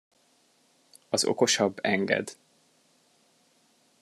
Az okosabb enged.